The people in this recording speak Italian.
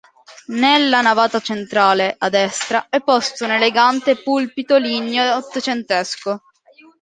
Nella navata centrale, a destra, è posto un elegante pulpito ligneo ottocentesco.